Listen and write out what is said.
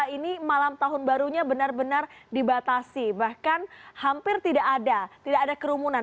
ini malam tahun barunya benar benar dibatasi bahkan hampir tidak ada tidak ada kerumunan